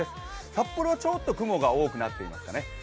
札幌はちょっと雲が多くなっていますかね。